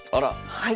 はい。